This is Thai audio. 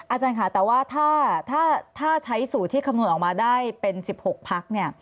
อาจารย์ค่ะแต่ว่าถ้าใช้สูตรที่คำนวณออกมาได้เป็น๑๖พักเนี่ย